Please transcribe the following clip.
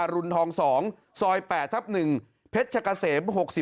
รุนทอง๒ซอย๘ทับ๑เพชรกะเสม๖๔